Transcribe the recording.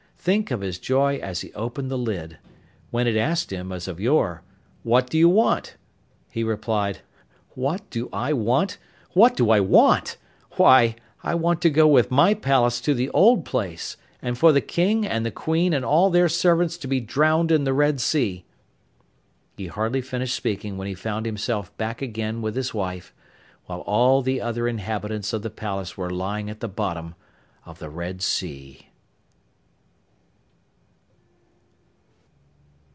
Think of his joy as he opened the lid! When it asked him, as of yore, 'What do you want?' he replied: 'What do I want? What do I want? Why, I want to go with my palace to the old place, and for the King and the Queen and all their servants to be drowned in the Red Sea.' He hardly finished speaking when he found himself back again with his wife, while all the other inhabitants of the palace were lying at the bottom of the Red Sea.